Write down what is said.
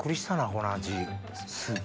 この味。